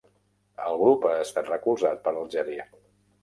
El grup ha estat recolzat per Algeria.